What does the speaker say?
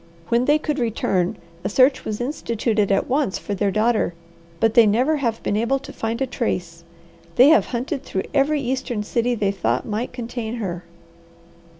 When they could return, a search was instituted at once for their daughter, but they never have been able to find a trace. They have hunted through every eastern city they thought might contain her."